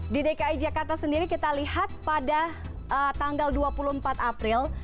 di dki jakarta sendiri kita lihat pada tanggal dua puluh empat april